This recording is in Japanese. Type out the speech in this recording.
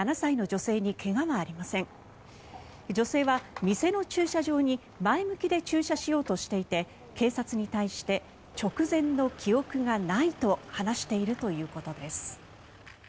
女性は店の駐車場に前向きで駐車しようとしていて警察に対して直前の記憶がないと話しているということです。